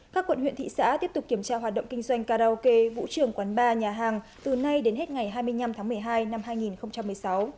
các quận huyện thị xã tiếp tục kiểm tra hoạt động kinh doanh karaoke vũ trường quán bar nhà hàng từ nay đến hết ngày hai mươi năm tháng một mươi hai năm hai nghìn một mươi sáu